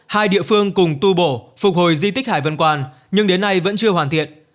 hai địa phương cùng tu bổ phục hồi di tích hải vân quan nhưng đến nay vẫn chưa hoàn thiện